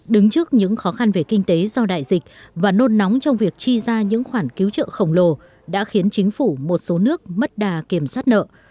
đứng trước những khó khăn về kinh tế do đại dịch và nôn nóng trong việc chi ra những khoản cứu trợ khổng lồ đã khiến chính phủ một số nước mất đà kiểm soát nợ